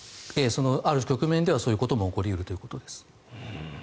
ある局面ではそういうことも起こり得るということです。